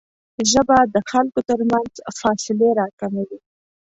ژبه د خلکو ترمنځ فاصلې راکموي